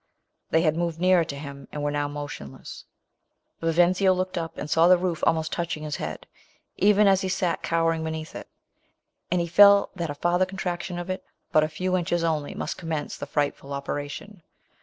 They had moved nearer to him, and were now motionless. Vi venzio looked up, and saw the roof almost touching his head, even as he sat cowering beneath it ; and he felt that a farther contraction of but a. few inches only must commence the frightful operation.